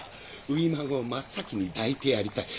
初孫を真っ先に抱いてやりたい。